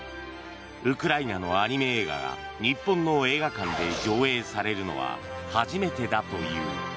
ウクライナのアニメ映画が日本の映画館で上映されるのは初めてだという。